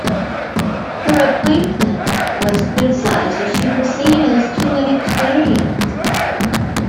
Her appointment was criticised as she was seen as too inexperienced.